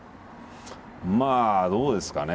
まあどうですかね。